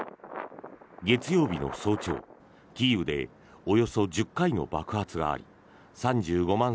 月曜日の早朝、キーウでおよそ１０回の爆発があり３５万